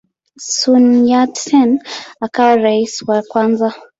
Sun Yat-sen akawa rais wa kwanza.